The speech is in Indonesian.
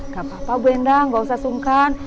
gak apa apa bu endang gak usah sungkan